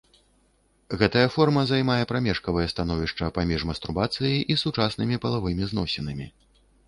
Гэтая форма займае прамежкавае становішча паміж мастурбацыяй і сучаснымі палавымі зносінамі.